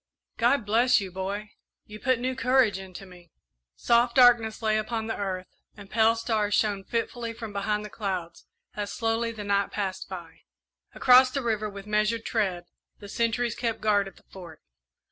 "God bless you, boy; you put new courage into me!" Soft darkness lay upon the earth, and pale stars shone fitfully from behind the clouds as slowly the night passed by. Across the river, with measured tread, the sentries kept guard at the Fort.